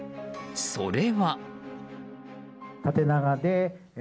それは。